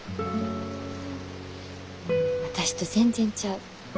私と全然ちゃう。